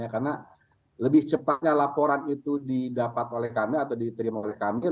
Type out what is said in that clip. karena lebih cepatnya laporan itu didapat oleh kami atau diterima oleh kami